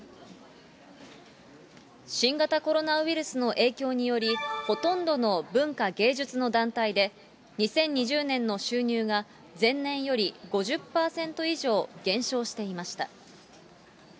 新型コロナウイルスの影響により、ほとんどの文化、芸術の団体で、２０２０年の収入が、前年より５０％以上減少していました。